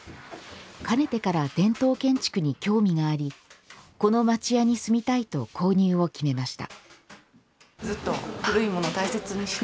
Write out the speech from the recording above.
かねてから伝統建築に興味がありこの町家に住みたいと購入を決めました。